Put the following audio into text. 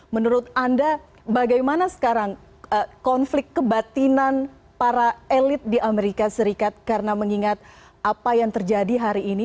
menurut anda bagaimana sekarang konflik kebatinan para elit di amerika serikat karena mengingat apa yang terjadi hari ini